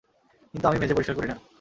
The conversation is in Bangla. কিন্তু আমি মেঝে পরিষ্কার করি না।